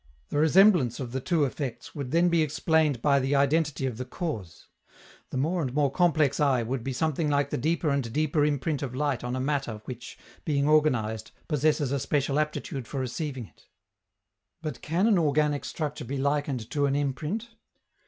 The resemblance of the two effects would then be explained by the identity of the cause. The more and more complex eye would be something like the deeper and deeper imprint of light on a matter which, being organized, possesses a special aptitude for receiving it. But can an organic structure be likened to an imprint?